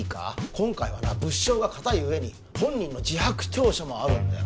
今回は物証が固い上に本人の自白調書もあるんだよ